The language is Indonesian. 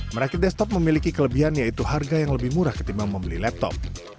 merakit desktop memiliki kelebihan yaitu harga yang lebih murah ketimbang membeli laptop